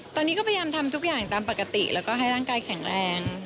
ตอนนี้ก็พยายามทำทุกอย่างตามปกติแล้วก็ให้ร่างกายแข็งแรง